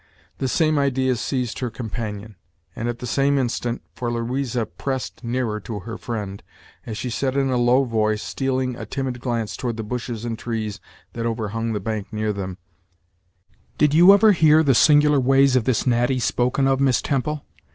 The same ideas seized her companion, and at the same instant, for Louisa pressed nearer to her friend, as she said in a low voice, stealing a timid glance toward the bushes and trees that overhung the bank near them: "Did you ever hear the singular ways of this Natty spoken of, Miss Temple?